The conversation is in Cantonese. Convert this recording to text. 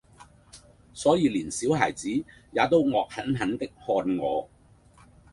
所以連小孩子，也都惡狠狠的看我。